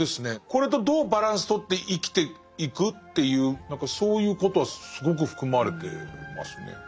これとどうバランス取って生きていく？っていう何かそういうことはすごく含まれてますね。